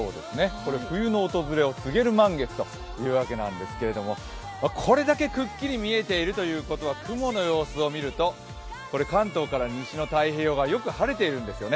これ冬の訪れを告げる満月ということなんですけれどもこれだけくっきり見えているということは雲の様子を見ると関東から西の太平洋側よく晴れているんですよね。